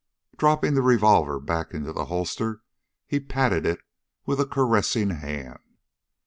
Dropping the revolver back into the holster he patted it with a caressing hand.